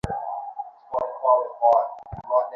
এ পরিকল্পনা প্রণয়নে অগ্রণী ভূমিকা তার পিতার।